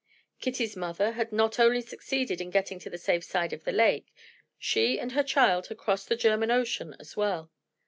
Kitty's mother had not only succeeded in getting to the safe side of the lake she and her child had crossed the German Ocean as well.